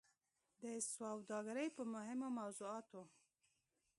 د سوداګرۍ په مهمو موضوعاتو